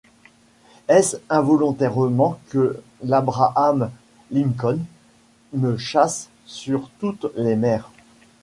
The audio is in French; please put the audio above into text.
Est-ce involontairement que l’Abraham-Lincoln me chasse sur toutes les mers ?